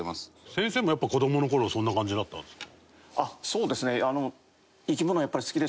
先生もやっぱ子どもの頃そんな感じだったんですか？